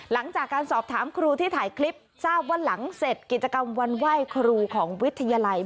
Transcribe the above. หลังจากการสอบถามครูที่ถ่ายคลิปทราบว่าหลังเสร็จกิจกรรมวันไหว้ครูของวิทยาลัย